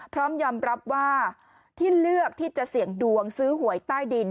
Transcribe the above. พร้อมยอมรับว่าที่เลือกที่จะเสี่ยงดวงซื้อหวยใต้ดิน